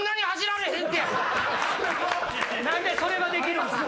何でそれはできるんすか！